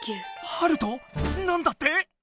ハルト⁉何だって⁉